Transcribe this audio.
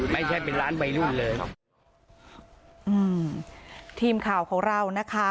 ไม่ใช่เป็นร้านวัยรุ่นเลยครับอืมทีมข่าวของเรานะคะ